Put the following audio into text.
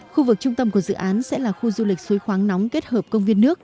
khu vực trung tâm của dự án sẽ là khu du lịch suối khoáng nóng kết hợp công viên nước